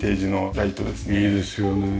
いいですよねえ。